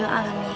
mutu para jahil